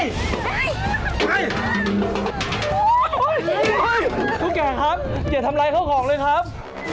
เฮ้ยคุณแก่ครับอย่าทำไรข้าวของเลยครับ